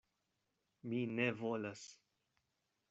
Mi ne volas.